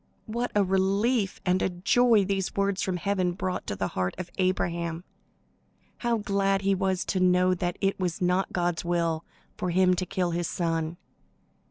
What a relief and a joy these words from heaven brought to the heart of Abraham! How glad he was to know that it was not God's will for him to kill his son!